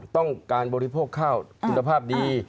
ต้องการบริโภคข้าวคุณภาพดี